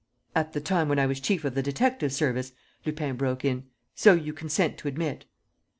..." "At the time when I was chief of the detective service," Lupin broke in. "So you consent to admit."